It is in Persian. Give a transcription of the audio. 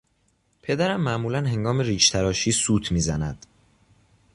پدرم معمولا هنگام ریشتراشی سوت میزد.